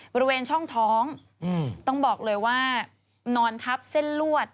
บริเวณช่องท้องต้องบอกเลยว่านอนทับเส้นลวด